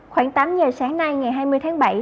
khoảng tám giờ sáng nay ngày hai mươi tháng bảy